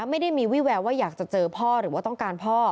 ไม่ได้มีวิแววว่าอยากจะเจอพ่อหรือว่าต้องการพ่อ